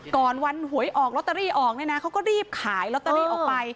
ก่อนวันหวยออกลอตเตอรี่ออกเนี่ยนะเขาก็รีบขายลอตเตอรี่ออกไป